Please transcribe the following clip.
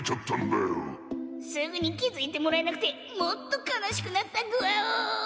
「すぐにきづいてもらえなくてもっとかなしくなったぐわお」。